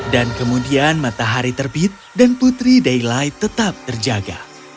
kemudian matahari terbit dan putri daylight tetap terjaga